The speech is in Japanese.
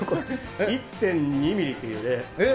１．２ミリというね。